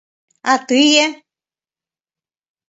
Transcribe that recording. А тые?